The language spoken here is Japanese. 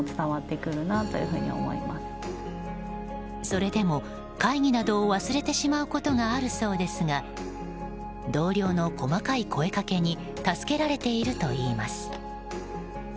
それでも会議などを忘れてしまうことがあるそうですが同僚の細かい声掛けに助けられているといいます。